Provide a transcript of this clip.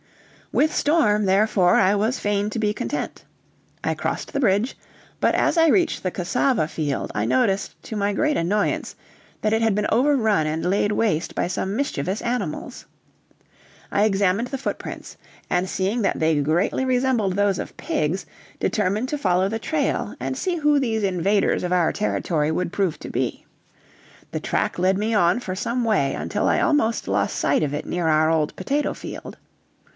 With Storm, therefore, I was fain to be content. I crossed the bridge, but as I reached the cassava field I noticed to my great annoyance that it had been overrun and laid waste by some mischievous animals. I examined the footprints, and seeing that they greatly resembled those of pigs, determined to follow the trail, and see who these invaders of our territory would prove to be. The track led me on for some way until I almost lost sight of it near our old potato field.